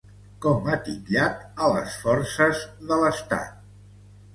Com ha titllat a les forces de l'estat?